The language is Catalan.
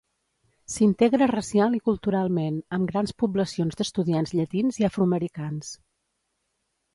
S'integra racial i culturalment, amb grans poblacions d'estudiants llatins i afroamericans.